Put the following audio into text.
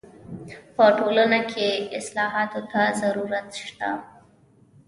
په ټولنه کي اصلاحاتو ته ضرورت سته.